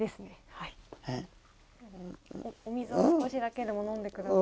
はいはいお水を少しだけでも飲んでください